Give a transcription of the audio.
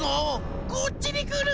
こっちにくる！